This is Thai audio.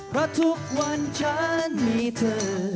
เพราะทุกวันฉันมีเธอ